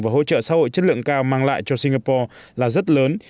và hỗ trợ xã hội chất lượng cao mang lại cho singapore là rất lớn